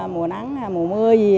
mùa nắng mùa mưa gì đó